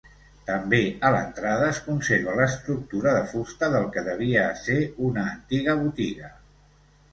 També a l'entrada es conserva l'estructura de fusta del que devia ser una antiga botiga.